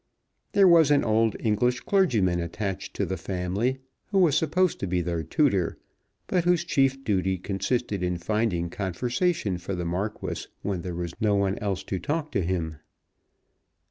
There was an old English clergyman attached to the family who was supposed to be their tutor, but whose chief duty consisted in finding conversation for the Marquis when there was no one else to talk to him.